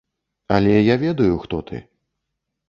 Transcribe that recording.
Але я ведаю, хто ты.